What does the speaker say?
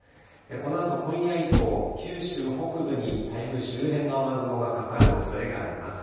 このあと、今夜以降、九州北部に台風周辺の雨雲がかかるおそれがあります。